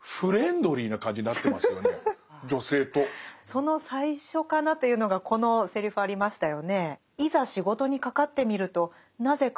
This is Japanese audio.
その最初かなというのがこのセリフありましたよね。